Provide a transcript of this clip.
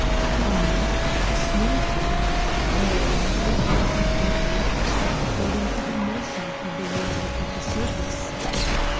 From rough to smooth water you will find the reflection altered according to the motion of the water at the surface.